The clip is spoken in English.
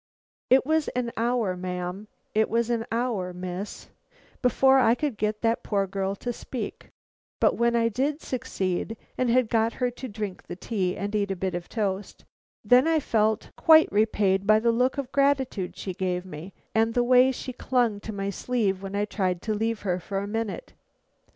It was an hour, ma'am; it was an hour, miss, before I could get that poor girl to speak; but when I did succeed, and had got her to drink the tea and eat a bit of toast, then I felt quite repaid by the look of gratitude she gave me and the way she clung to my sleeve when I tried to leave her for a minute.